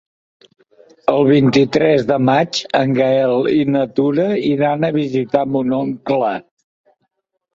El vint-i-tres de maig en Gaël i na Tura iran a visitar mon oncle.